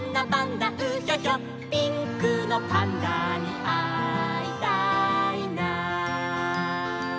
「ピンクのパンダにあいたいな」